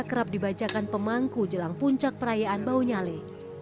kerap dibacakan pemangku jelang puncak perayaan baunyale